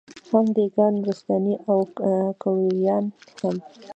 هم دېګان، نورستاني او ګوریان هم